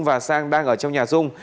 và sang đang ở trong nhà dung